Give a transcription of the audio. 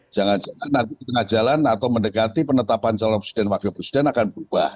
jangan jangan nanti di tengah jalan atau mendekati penetapan calon presiden wakil presiden akan berubah